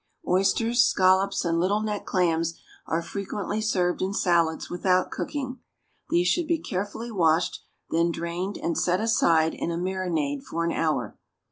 Oysters, scallops and little neck clams are frequently served in salads without cooking. These should be carefully washed, then drained and set aside in a marinade for an hour.